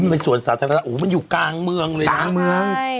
มันเป็นส่วนสาธารณะมันอยู่กลางเมืองเลยนะ